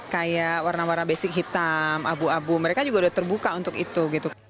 kayak warna warna basic hitam abu abu mereka juga udah terbuka untuk itu